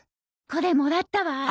これもらったわ。